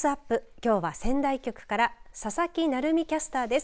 きょうは仙台局から佐々木成美キャスターです。